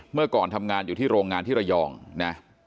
เมื่อก่อนทำงานอยู่ที่โรงงานที่ระยองนะ